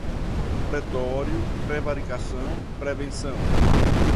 pretório, prevaricação, prevenção